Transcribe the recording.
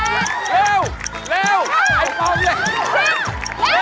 จะพอเป็นเวลาแล้วเร็ว